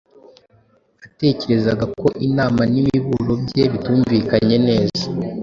atekerezaga ko inama n’imiburo bye bitumvikanye neza.